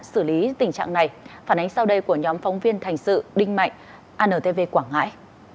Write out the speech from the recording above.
xử lý tình trạng này phản ánh sau đây của nhóm phóng viên thành sự đinh mạnh antv quảng ngãi